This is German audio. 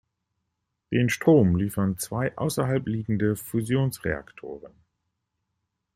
Den Strom liefern zwei außerhalb liegende Fusionsreaktoren.